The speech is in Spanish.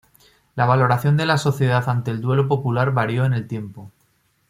La valoración de la sociedad ante el duelo popular varió en el tiempo.